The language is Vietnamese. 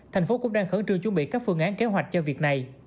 thành phố cũng đang khẩn trương chuẩn bị các phương án kế hoạch cho việc này